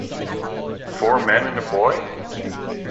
Four men and a boy?